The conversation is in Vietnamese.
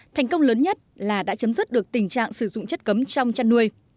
thành công lớn nhất là đã chấm dứt được tình trạng sử dụng chất cấm trong chăn nuôi